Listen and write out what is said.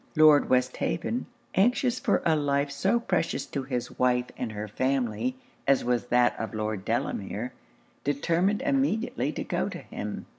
Lord Westhaven, anxious for a life so precious to his wife and her family as was that of Lord Delamere, determined immediately to go to him.